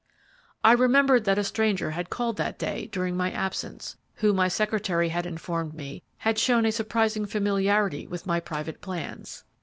"I remembered that a stranger had called that day during my absence, who, my secretary had informed me, bad shown a surprising familiarity with my private plans.